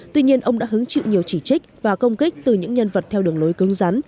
tuy nhiên ông đã hứng chịu nhiều chỉ trích và công kích từ những nhân vật theo đường lối cứng rắn